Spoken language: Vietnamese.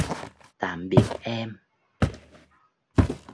tạm biệt em